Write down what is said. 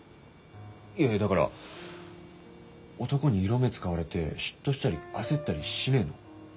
いやだから男に色目使われて嫉妬したり焦ったりしねえの？